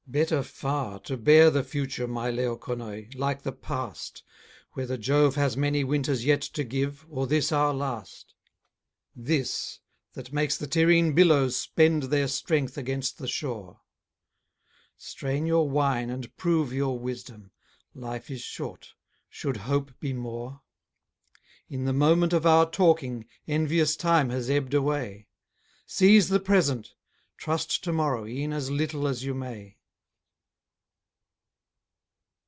Better far to bear the future, my Leuconoe, like the past, Whether Jove has many winters yet to give, or this our last; THIS, that makes the Tyrrhene billows spend their strength against the shore. Strain your wine and prove your wisdom; life is short; should hope be more? In the moment of our talking, envious time has ebb'd away. Seize the present; trust to morrow e'en as little as you may.